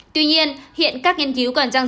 tuy nhiên hiện các nghiên cứu quản trang